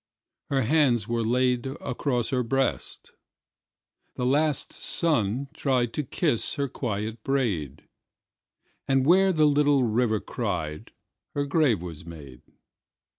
Her hands were laidAcross her breast; the last sun triedTo kiss her quiet braid; And where the little river cried, Her grave was made.